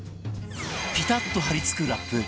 ピタッと貼り付くラップ